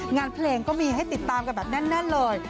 งานเพลงก็มีให้ติดตามกันแบบแน่นเลย